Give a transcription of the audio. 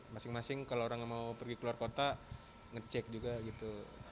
masing masing kalau orang mau pergi keluar kota ngecek juga gitu